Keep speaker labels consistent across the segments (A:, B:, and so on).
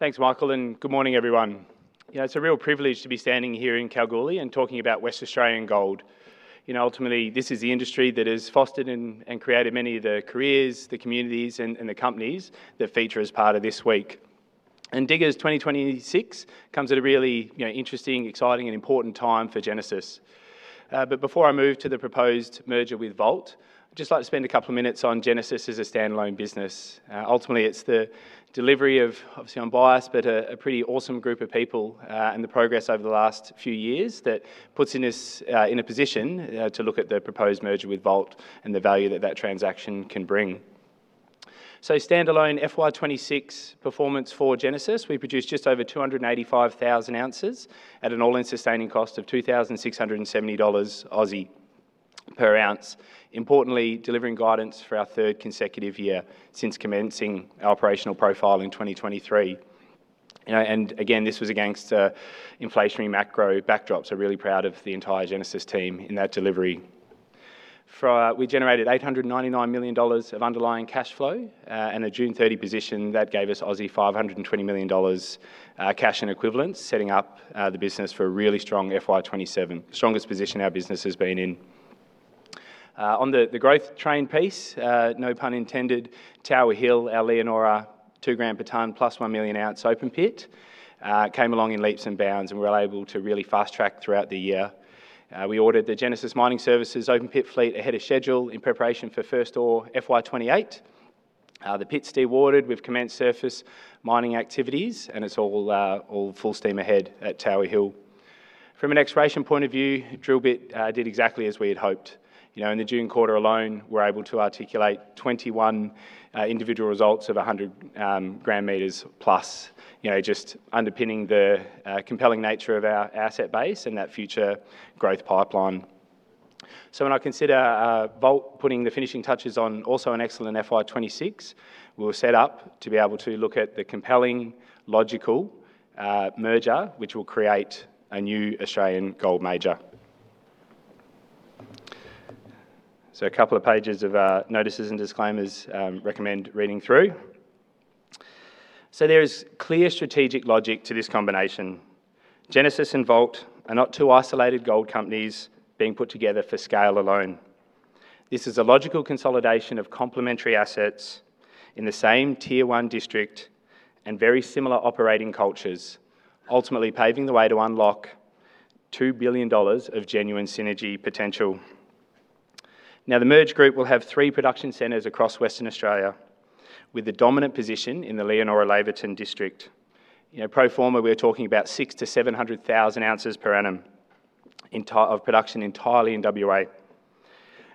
A: Thanks, Michael, and good morning, everyone. It's a real privilege to be standing here in Kalgoorlie and talking about West Australian gold. Ultimately, this is the industry that has fostered and created many of the careers, the communities, and the companies that feature as part of this week. Diggers 2026 comes at a really interesting, exciting, and important time for Genesis. Before I move to the proposed merger with Vault Minerals, I'd just like to spend a couple of minutes on Genesis as a standalone business. Ultimately, it's the delivery of, obviously, I'm biased, but a pretty awesome group of people, and the progress over the last few years that puts us in a position to look at the proposed merger with Vault and the value that that transaction can bring. Standalone FY 2026 performance for Genesis, we produced just over 285,000 oz at an all-in sustaining cost of 2,670 Aussie dollars per ounce. Importantly, delivering guidance for our third consecutive year since commencing our operational profile in 2023. Again, this was against inflationary macro backdrops, really proud of the entire Genesis team in that delivery. We generated 899 million dollars of underlying cash flow and a June 30 position that gave us 520 million Aussie dollars cash in equivalents, setting up the business for a really strong FY 2027. Strongest position our business has been in. On the growth train piece, no pun intended, Tower Hill, our Leonora 2 g per ton +1 million ounce open pit, came along in leaps and bounds and we were able to really fast track throughout the year. We ordered the Genesis Mining Services open pit fleet ahead of schedule in preparation for first ore FY 2028. The pit's dewatered. We've commenced surface mining activities, it's all full steam ahead at Tower Hill. From an exploration point of view, Drill Bit did exactly as we had hoped. In the June quarter alone, we were able to articulate 21 individual results of 100 g meters plus, just underpinning the compelling nature of our asset base and that future growth pipeline. When I consider Vault Minerals putting the finishing touches on also an excellent FY 2026, we were set up to be able to look at the compelling, logical merger, which will create a new Australian gold major. A couple of pages of our notices and disclaimers, recommend reading through. There is clear strategic logic to this combination. Genesis and Vault Minerals are not two isolated gold companies being put together for scale alone. This is a logical consolidation of complementary assets in the same Tier One district and very similar operating cultures, ultimately paving the way to unlock 2 billion dollars of genuine synergy potential. The merged group will have three production centers across Western Australia, with a dominant position in the Leonora-Laverton district. Pro forma, we're talking about 600,000 oz-700,000 oz per annum of production entirely in W.A.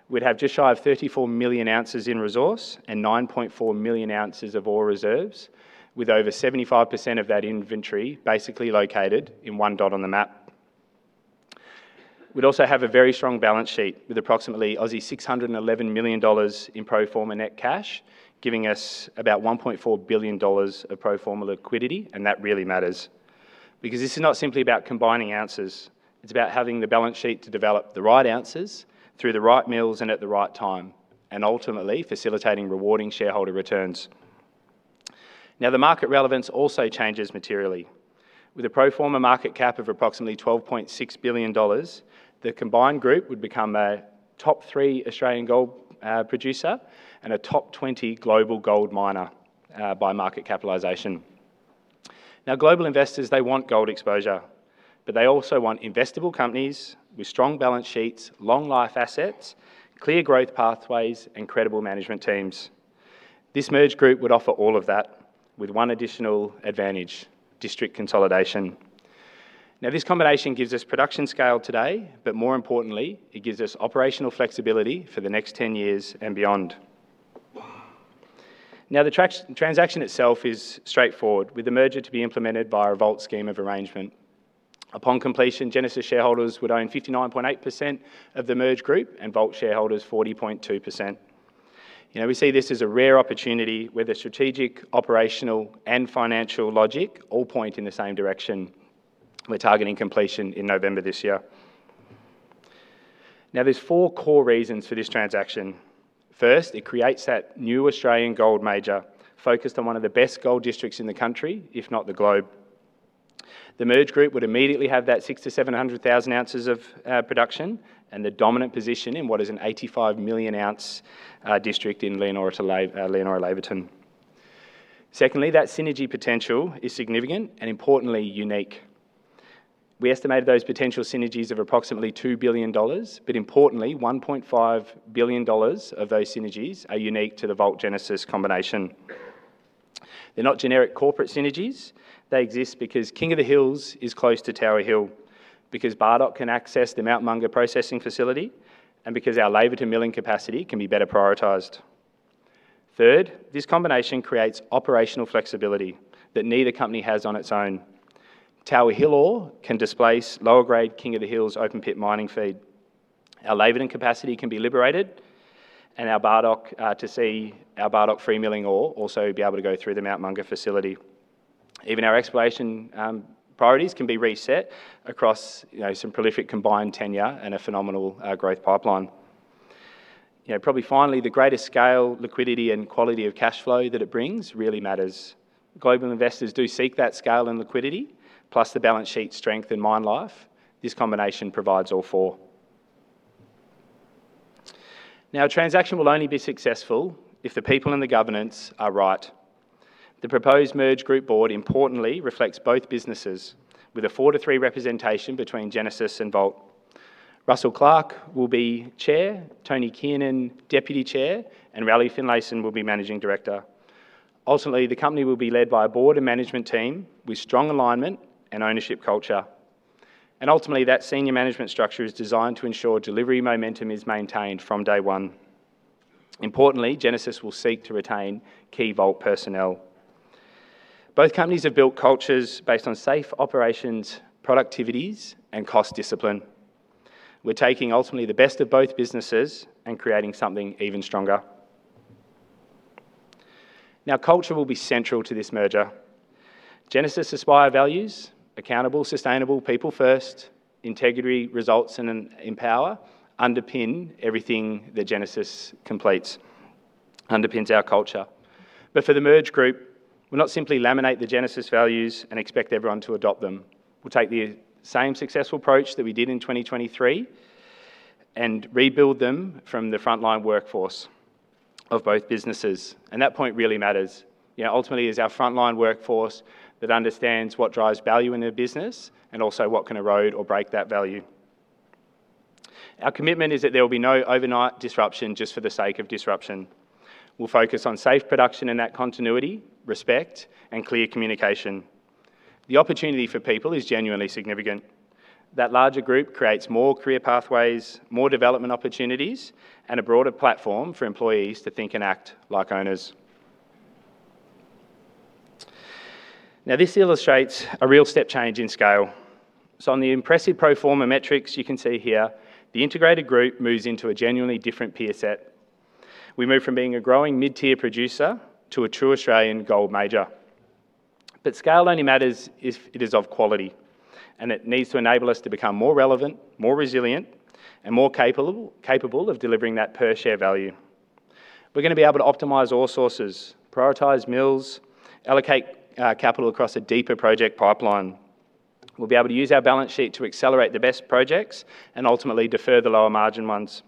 A: We'd have just shy of 34 million ounces in resource and 9.4 million ounces of ore reserves, with over 75% of that inventory basically located in one dot on the map. We'd also have a very strong balance sheet with approximately 611 million Aussie dollars in pro forma net cash, giving us about 1.4 billion dollars of pro forma liquidity, that really matters. This is not simply about combining ounces. It's about having the balance sheet to develop the right ounces through the right mills and at the right time, and ultimately facilitating rewarding shareholder returns. The market relevance also changes materially. With a pro forma market cap of approximately 12.6 billion dollars, the combined group would become a top three Australian gold producer and a top 20 global gold miner by market capitalization. Global investors, they want gold exposure. They also want investable companies with strong balance sheets, long life assets, clear growth pathways, and credible management teams. This merged group would offer all of that with one additional advantage, district consolidation. This combination gives us production scale today, but more importantly, it gives us operational flexibility for the next 10 years and beyond. The transaction itself is straightforward, with the merger to be implemented by a Vault scheme of arrangement. Upon completion, Genesis shareholders would own 59.8% of the merged group and Vault shareholders 40.2%. We see this as a rare opportunity where the strategic, operational, and financial logic all point in the same direction. We're targeting completion in November this year. There's four core reasons for this transaction. First, it creates that new Australian gold major focused on one of the best gold districts in the country, if not the globe. The merged group would immediately have that 600,000 oz-700,000 ounces of production and the dominant position in what is an 85 million ounce district in Leonora-Laverton. Secondly, that synergy potential is significant and importantly unique. We estimated those potential synergies of approximately 2 billion dollars, but importantly, 1.5 billion dollars of those synergies are unique to the Vault-Genesis combination. They're not generic corporate synergies. They exist because King of the Hills is close to Tower Hill, because Bardoc can access the Mount Monger processing facility, and because our Laverton milling capacity can be better prioritized. This combination creates operational flexibility that neither company has on its own. Tower Hill ore can displace lower grade King of the Hills open pit mining feed. Our Laverton capacity can be liberated, and our Bardoc free milling ore also be able to go through the Mount Monger facility. Even our exploration priorities can be reset across some prolific combined tenure and a phenomenal growth pipeline. Finally, the greatest scale, liquidity, and quality of cash flow that it brings really matters. Global investors do seek that scale and liquidity, plus the balance sheet strength and mine life. This combination provides all four. A transaction will only be successful if the people and the governance are right. The proposed merged group Board importantly reflects both businesses with a four to three representation between Genesis and Vault. Russell Clark will be Chair, Tony Keenan, Deputy Chair, and Raleigh Finlayson will be Managing Director. Ultimately, the company will be led by a Board and management team with strong alignment and ownership culture. Ultimately, that senior management structure is designed to ensure delivery momentum is maintained from day one. Importantly, Genesis will seek to retain key Vault personnel. Both companies have built cultures based on safe operations, productivities, and cost discipline. We're taking ultimately the best of both businesses and creating something even stronger. Culture will be central to this merger. Genesis ASPIRE values, Accountable, Sustainable, People First, Integrity, Results, and Empower, underpin everything that Genesis completes. Underpins our culture. For the merged group, we will not simply laminate the Genesis values and expect everyone to adopt them. We will take the same successful approach that we did in 2023 and rebuild them from the frontline workforce of both businesses. That point really matters. Ultimately, it is our frontline workforce that understands what drives value in their business and also what can erode or break that value. Our commitment is that there will be no overnight disruption just for the sake of disruption. We will focus on safe production and that continuity, respect, and clear communication. The opportunity for people is genuinely significant. That larger group creates more career pathways, more development opportunities, and a broader platform for employees to think and act like owners. This illustrates a real step change in scale. On the impressive pro forma metrics you can see here, the integrated group moves into a genuinely different peer set. We move from being a growing mid-tier producer to a true Australian gold major. But scale only matters if it is of quality, and it needs to enable us to become more relevant, more resilient, and more capable of delivering that per share value. We are going to be able to optimize all sources, prioritize mills, allocate capital across a deeper project pipeline. We will be able to use our balance sheet to accelerate the best projects and ultimately defer the lower margin ones.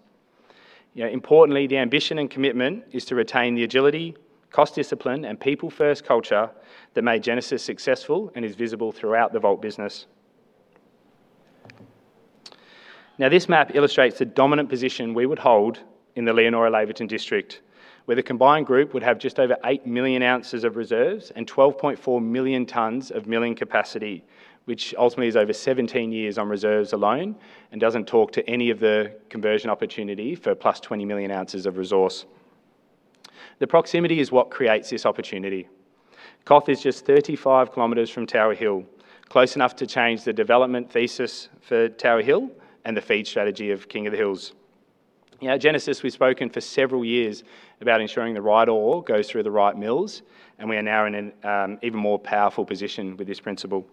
A: Importantly, the ambition and commitment is to retain the agility, cost discipline, and people first culture that made Genesis successful and is visible throughout the Vault business. This map illustrates the dominant position we would hold in the Leonora-Laverton district, where the combined group would have just over 8 million ounces of reserves and 12.4 million tons of milling capacity, which ultimately is over 17 years on reserves alone and does not talk to any of the conversion opportunity for +20 million ounces of resource. The proximity is what creates this opportunity. KOTH is just 35 km from Tower Hill, close enough to change the development thesis for Tower Hill and the feed strategy of King of the Hills. At Genesis, we have spoken for several years about ensuring the right ore goes through the right mills, and we are now in an even more powerful position with this principle.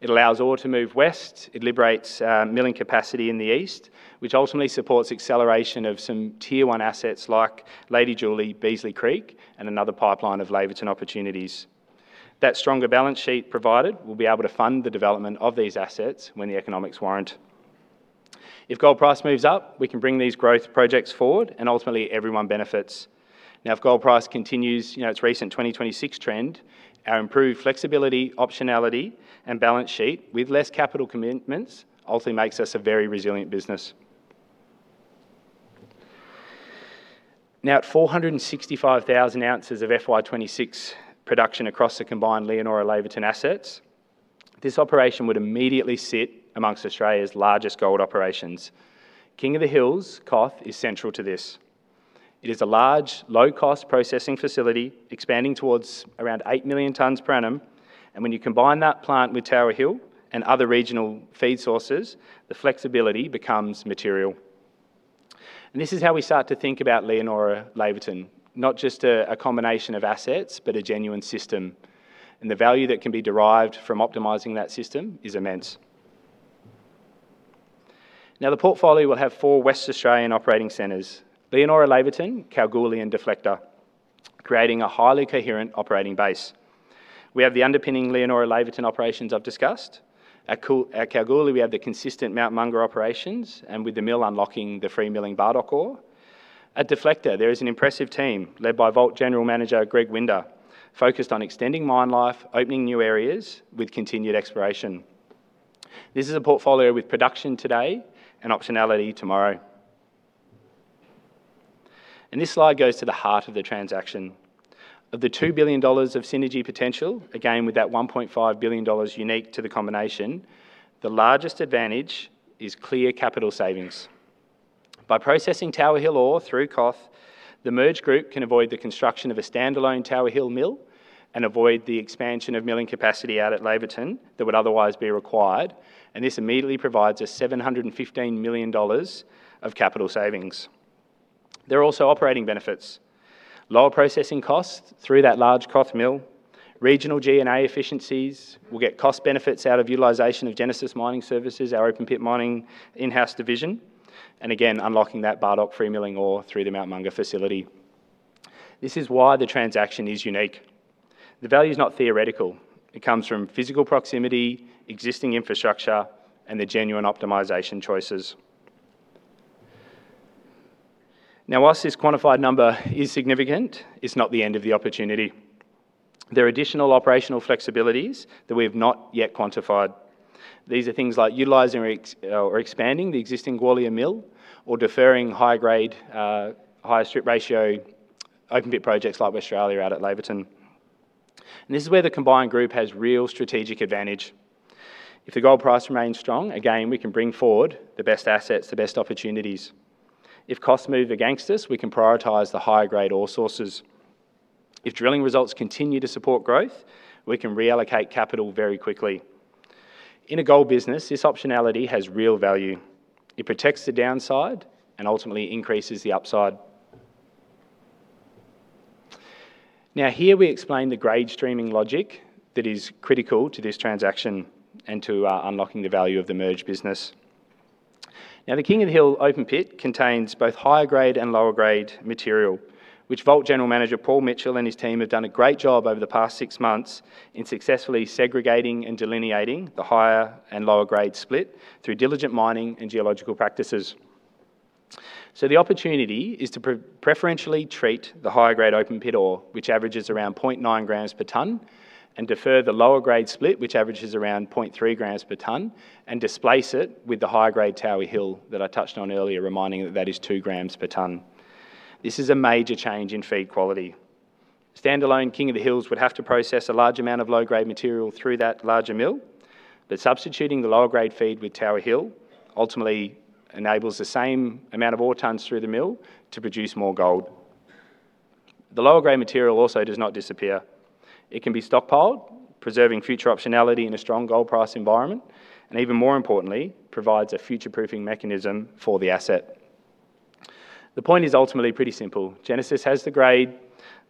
A: It allows ore to move west. It liberates milling capacity in the east, which ultimately supports acceleration of some Tier One assets like Lady Julie, Beasley Creek, and another pipeline of Laverton opportunities. That stronger balance sheet provided, we will be able to fund the development of these assets when the economics warrant. If gold price moves up, we can bring these growth projects forward and ultimately everyone benefits. If gold price continues its recent 2026 trend, our improved flexibility, optionality, and balance sheet with less capital commitments ultimately makes us a very resilient business. At 465,000 oz of FY 2026 production across the combined Leonora-Laverton assets, this operation would immediately sit amongst Australia's largest gold operations. King of the Hills, KOTH, is central to this. It is a large, low-cost processing facility expanding towards around 8 million tons per annum. When you combine that plant with Tower Hill and other regional feed sources, the flexibility becomes material. This is how we start to think about Leonora-Laverton, not just a combination of assets, but a genuine system. The value that can be derived from optimizing that system is immense. Now the portfolio will have four West Australian operating centers, Leonora, Laverton, Kalgoorlie, and Deflector, creating a highly coherent operating base. We have the underpinning Leonora-Laverton operations I've discussed. At Kalgoorlie, we have the consistent Mount Monger operations and with the mill unlocking the free milling Bardoc ore. At Deflector, there is an impressive team led by Vault General Manager Greg Winder, focused on extending mine life, opening new areas with continued exploration. This is a portfolio with production today and optionality tomorrow. This slide goes to the heart of the transaction. Of the 2 billion dollars of synergy potential, again, with that 1.5 billion dollars unique to the combination, the largest advantage is clear capital savings. By processing Tower Hill ore through KOTH, the merged group can avoid the construction of a standalone Tower Hill mill and avoid the expansion of milling capacity out at Laverton that would otherwise be required. This immediately provides us 715 million dollars of capital savings. There are also operating benefits. Lower processing costs through that large KOTH mill. Regional G&A efficiencies will get cost benefits out of utilization of Genesis Mining Services, our open pit mining in-house division, and again, unlocking that Bardoc free milling ore through the Mount Monger facility. This is why the transaction is unique. The value is not theoretical. It comes from physical proximity, existing infrastructure, and the genuine optimization choices. Now, whilst this quantified number is significant, it's not the end of the opportunity. There are additional operational flexibilities that we have not yet quantified. These are things like utilizing or expanding the existing Gwalia Mill, or deferring higher grade, higher strip ratio, open pit projects like Westralia out at Laverton. This is where the combined group has real strategic advantage. If the gold price remains strong, again, we can bring forward the best assets, the best opportunities. If costs move against us, we can prioritize the higher grade ore sources. If drilling results continue to support growth, we can reallocate capital very quickly. In a gold business, this optionality has real value. It protects the downside and ultimately increases the upside. Now, here we explain the grade streaming logic that is critical to this transaction and to unlocking the value of the merged business. Now, the King of the Hill open pit contains both higher grade and lower grade material, which Vault General Manager Paul Mitchell and his team have done a great job over the past six months in successfully segregating and delineating the higher and lower grade split through diligent mining and geological practices. The opportunity is to preferentially treat the higher grade open pit ore, which averages around 0.9 g per ton, and defer the lower grade split, which averages around 0.3 g per ton, and displace it with the higher grade Tower Hill that I touched on earlier, reminding that that is 2 g per ton. This is a major change in feed quality. Standalone King of the Hills would have to process a large amount of low-grade material through that larger mill, substituting the lower grade feed with Tower Hill ultimately enables the same amount of ore tons through the mill to produce more gold. The lower grade material also does not disappear. It can be stockpiled, preserving future optionality in a strong gold price environment, even more importantly, provides a future-proofing mechanism for the asset. The point is ultimately pretty simple. Genesis has the grade,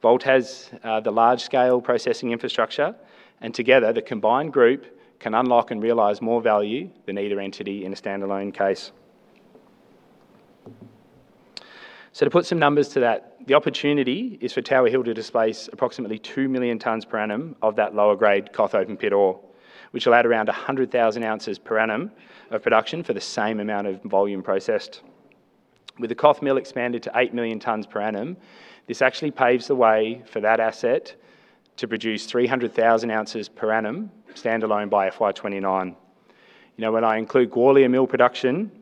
A: Vault has the large-scale processing infrastructure, together, the combined group can unlock and realize more value than either entity in a standalone case. To put some numbers to that, the opportunity is for Tower Hill to displace approximately 2 million tons per annum of that lower grade KOTH open pit ore, which will add around 100,000 oz per annum of production for the same amount of volume processed. With the KOTH mill expanded to 8 million tons per annum, this actually paves the way for that asset to produce 300,000 oz per annum, standalone by FY 2029. When I include Gwalia Mill production,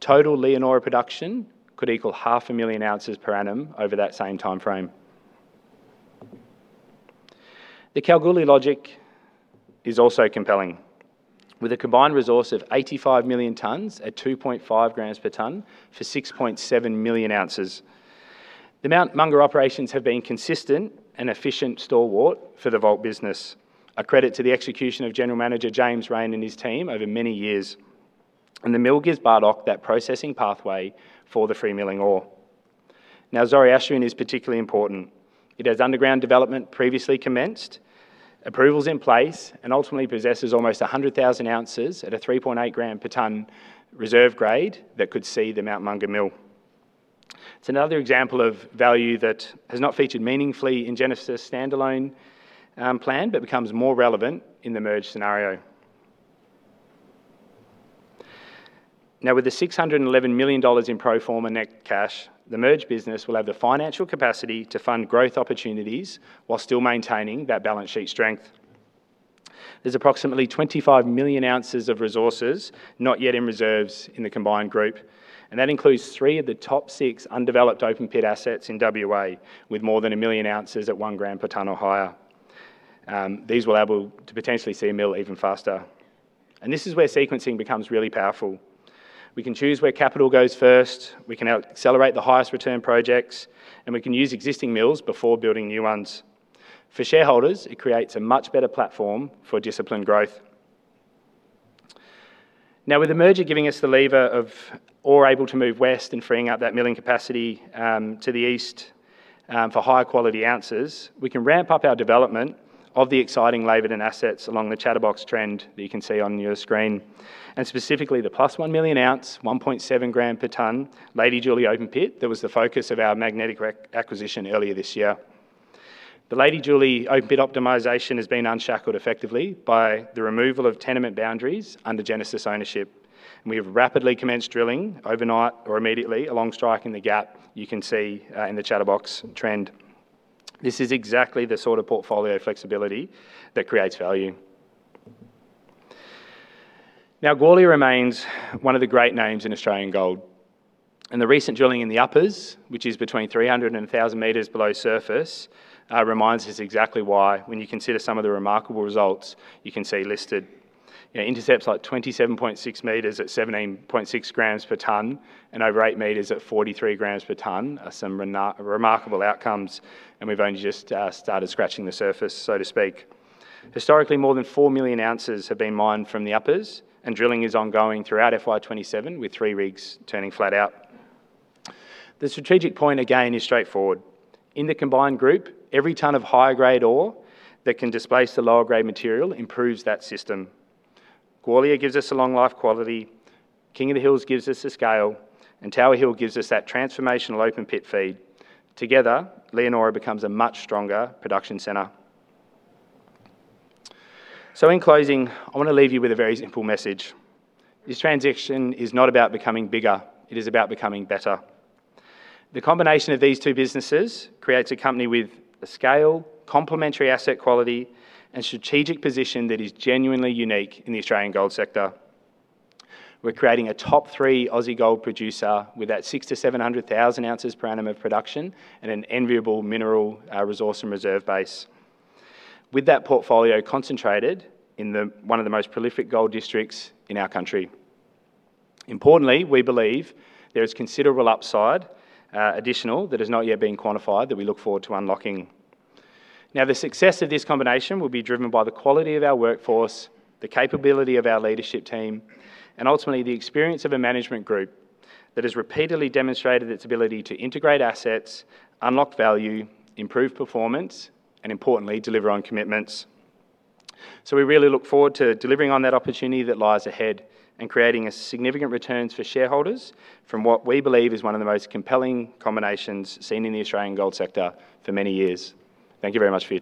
A: total Leonora production could equal 500,000 oz per annum over that same time frame. The Kalgoorlie logic is also compelling. With a combined resource of 85 million tons at 2.5 g per ton for 6.7 million ounces. The Mount Monger operations have been consistent and efficient stalwart for the Vault business. A credit to the execution of General Manager James [Raine] and his team over many years. The mill gives Bardoc that processing pathway for the free milling ore. Zoroastrian is particularly important. It has underground development previously commenced, approvals in place, ultimately possesses almost 100,000 oz at a 3.8 g per ton reserve grade that could see the Mount Monger Mill. It's another example of value that has not featured meaningfully in Genesis standalone plan, becomes more relevant in the merge scenario. With the 611 million dollars in pro forma net cash, the merge business will have the financial capacity to fund growth opportunities while still maintaining that balance sheet strength. There's approximately 25 million ounces of resources, not yet in reserves in the combined group, that includes three of the top six undeveloped open pit assets in W.A., with more than 1 million ounces at 1 g per ton or higher. These will able to potentially see a mill even faster. This is where sequencing becomes really powerful. We can choose where capital goes first, we can accelerate the highest return projects, we can use existing mills before building new ones. For shareholders, it creates a much better platform for disciplined growth. With the merger giving us the lever of ore able to move west and freeing up that milling capacity to the east for higher quality ounces, we can ramp up our development of the exciting Laverton assets along the Chatterbox trend that you can see on your screen. Specifically, the +1 million ounce, 1.7 g per ton, Lady Julie open pit, that was the focus of our Magnetic acquisition earlier this year. The Lady Julie open pit optimization has been unshackled effectively by the removal of tenement boundaries under Genesis ownership. We have rapidly commenced drilling overnight or immediately along strike in the gap you can see in the Chatterbox trend. This is exactly the sort of portfolio flexibility that creates value. Gwalia remains one of the great names in Australian gold. The recent drilling in the uppers, which is between 300 m and 1,000 m below surface, reminds us exactly why when you consider some of the remarkable results you can see listed. Intercepts like 27.6 m at 17.6 g per ton and over eight meters at 43 g per ton are some remarkable outcomes, and we've only just started scratching the surface, so to speak. Historically, more than four million ounces have been mined from the uppers, and drilling is ongoing throughout FY 2027, with three rigs turning flat out. The strategic point, again, is straightforward. In the combined group, every ton of higher grade ore that can displace the lower grade material improves that system. Gwalia gives us a long life quality, King of the Hills gives us the scale, and Tower Hill gives us that transformational open pit feed. Together, Leonora becomes a much stronger production center. In closing, I want to leave you with a very simple message. This transaction is not about becoming bigger. It is about becoming better. The combination of these two businesses creates a company with a scale, complementary asset quality, and strategic position that is genuinely unique in the Australian gold sector. We're creating a top three Aussie gold producer with that 600,000 oz-700,000 oz per annum of production and an enviable mineral resource and reserve base. With that portfolio concentrated in one of the most prolific gold districts in our country. Importantly, we believe there is considerable upside, additional, that has not yet been quantified, that we look forward to unlocking. The success of this combination will be driven by the quality of our workforce, the capability of our leadership team, and ultimately, the experience of a management group that has repeatedly demonstrated its ability to integrate assets, unlock value, improve performance, and importantly, deliver on commitments. We really look forward to delivering on that opportunity that lies ahead and creating significant returns for shareholders from what we believe is one of the most compelling combinations seen in the Australian gold sector for many years. Thank you very much for your time.